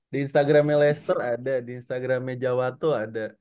di instagramnya lester ada di instagramnya jawato ada